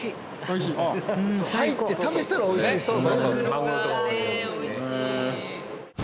入って食べたらおいしいですもんね。